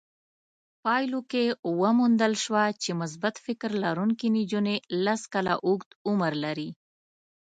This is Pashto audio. پايلو کې وموندل شوه چې مثبت فکر لرونکې نجونې لس کاله اوږد عمر لري.